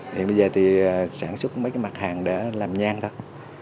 hiện bây giờ thì sản xuất mấy cái mặt hàng để làm nhang thôi